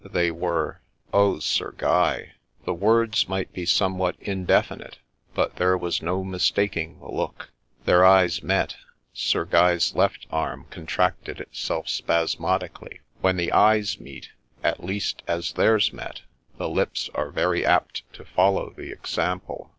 They were, —' Oh, Sir Guy !' The words might be somewhat indefinite, but there was no mistaking the look. THE LADY ROHESIA 171 Their eyesmet; Sir Guy's left arm contracted itself spasmodically : when the eyes meet, — at least, as theirs met, — the lips are very apt to follow the example.